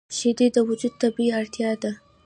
شیدې د وجود طبیعي اړتیا ده